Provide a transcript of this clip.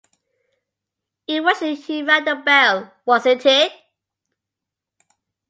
It was you who rang the bell, wasn't it?